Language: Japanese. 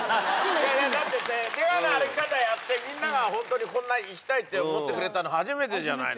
だって「出川の歩き方」やってみんなが本当にこんな行きたいって思ってくれたの初めてじゃないの？